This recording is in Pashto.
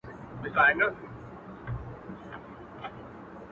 زما یادیږي چي سپین ږیرو به ویله!.